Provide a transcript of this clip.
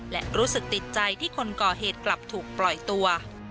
และรู้สึกติดใจที่คนก่อเหตุกลับถูกปล่อยตัว